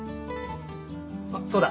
あっそうだ！